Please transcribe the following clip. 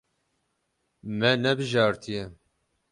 Me nebijartiye.